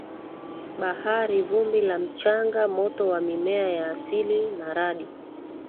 bahari vumbi la mchanga moto wa mimea ya asili na radi